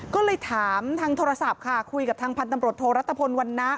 ก็เลยถามทางโทรศัพท์ค่ะคุยกับทางพันธ์ตำรวจโทรัตพลวันนะ